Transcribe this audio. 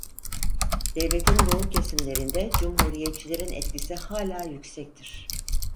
Devletin doğu kesimlerinde Cumhuriyetçilerin etkisi hâlâ yüksektir.